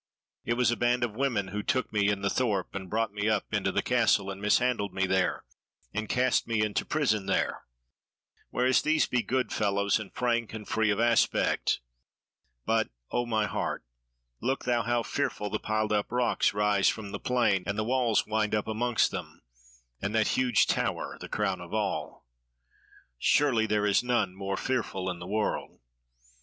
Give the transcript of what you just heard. It was a band of women who took me in the thorp and brought me up into the Castle, and mishandled me there, and cast me into prison there; whereas these be good fellows, and frank and free of aspect. But O, my heart, look thou how fearful the piled up rocks rise from the plain and the walls wind up amongst them; and that huge tower, the crown of all! Surely there is none more fearful in the world."